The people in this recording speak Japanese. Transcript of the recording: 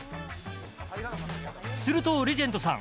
すると、レジェンドさん